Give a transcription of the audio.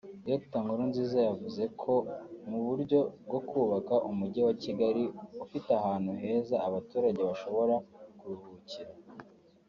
Dr Nkurunziza yavuze ko mu buryo bwo kubaka Umujyi wa Kigali ufite ahantu heza abaturage bashobora kuruhukira